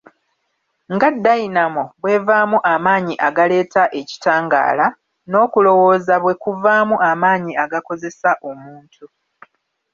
Nga Dayinamo bw'evaamu amaanyi agaleeta ekitangala, n'okulowooza bwe kuvaamu amaanyi agakozesa omuntu.